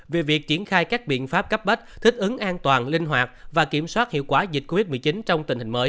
vì việc triển khai các biện pháp cấp bách thích ứng